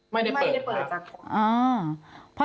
ไม่ได้เปิดครับ